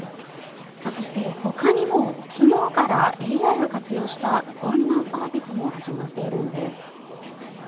そしてほかにも昨日からＡＩを活用したこんなサービスも始まっているんです。